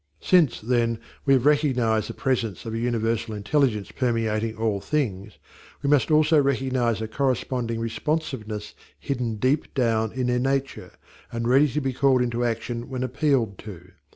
Since, then, we have recognized the presence of a universal intelligence permeating all things, we must also recognize a corresponding responsiveness hidden deep down in their nature and ready to be called into action when appealed to.